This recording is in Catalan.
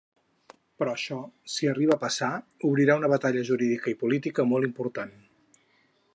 Però això, si arriba a passar, obrirà una batalla jurídica i política molt important.